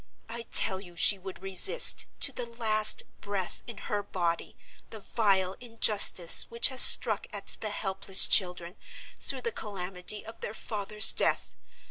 I tell you she would resist, to the last breath in her body, the vile injustice which has struck at the helpless children, through the calamity of their father's death!